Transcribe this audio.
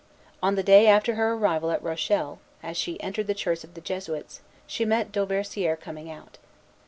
On the day after her arrival at Rochelle, as she entered the Church of the Jesuits, she met Dauversière coming out.